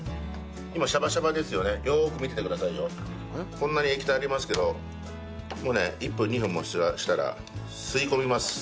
こんなに液体ありますけどもうね１分２分もしたら吸い込みます。